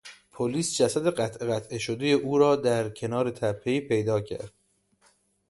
پلیس جسد قطعه قطعه شدهی او را در کنار تپهای پیدا کرد.